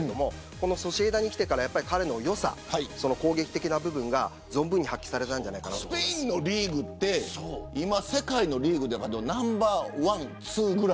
このソシエダに来てから彼のよさ攻撃的な部分が存分に発揮されたんじゃないかとスペインのリーグって今世界のリーグでいうとナンバーワン、ツーぐらい。